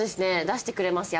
出してくれます